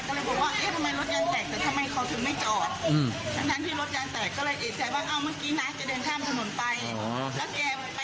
เพราะผู้หญิงก็นึกว่ารถมันยางแตก